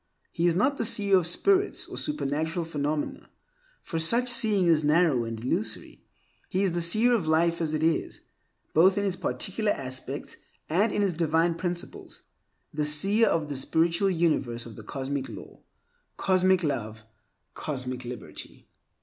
He is not the seer of spirits or supernatural phenomena, for such seeing is narrow and illusory. He is the seer of life as it is, both in its particular aspects and in its divine principles; the seer of the spiritual universe of cosmic law, cosmic love, and cosmic liberty.